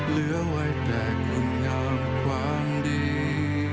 เหลือไว้แต่คุณงามความดี